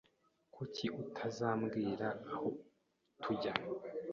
Kuki utazambwira aho tujya?